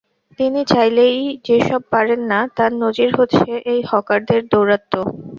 তিনি চাইলেই যেসব পারেন না, তার নজির হচ্ছে এই হকারদের দৌরাত্ম্য।